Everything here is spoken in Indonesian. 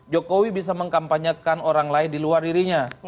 jokowi bisa mengkampanyekan orang lain di luar dirinya